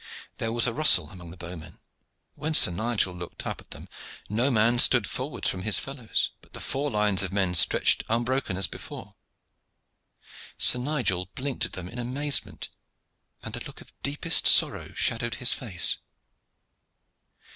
There was a rustle among the bowmen, but when Sir Nigel looked up at them no man stood forward from his fellows, but the four lines of men stretched unbroken as before. Sir Nigel blinked at them in amazement, and a look of the deepest sorrow shadowed his face.